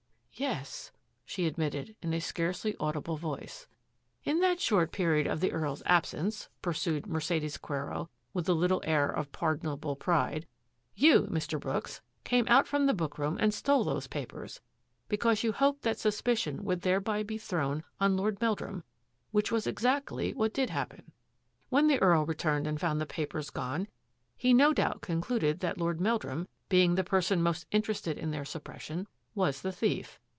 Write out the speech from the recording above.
" Yes," she admitted in a scarcely audible voice. " In that short period of the EarPs absence," pursued Mercedes Quero with a little air of par donable pride, " you, Mr. Brooks, came out from the bookroom and stole those papers, because you hoped that suspicion would thereby be thrown on Lord Meldrum, which was exactly what did happen. When the Earl returned and found the papers gone, he no doubt concluded that Lord Meldrum, being the person most interested in their suppres sion, was the thief.